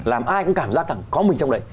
làm ai cũng cảm giác thẳng có mình trong đấy